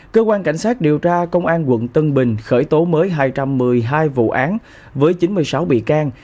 cơ quan cảnh sát điều tra công an quận tân bình khởi tố mới hai trăm một mươi hai vụ án với chín mươi sáu bị can